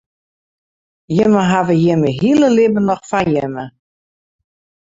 Jimme hawwe jimme hiele libben noch foar jimme.